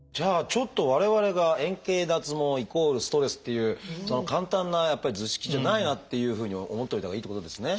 ちょっと我々が円形脱毛イコールストレスっていう簡単な図式じゃないなっていうふうに思っておいたほうがいいってことですね。